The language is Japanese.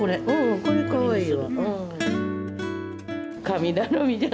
これ、かわいいわ。